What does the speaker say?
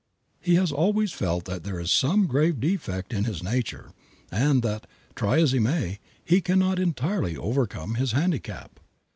He has always felt that there is some grave defect in his nature and that, try as he may, he can not entirely overcome his handicap.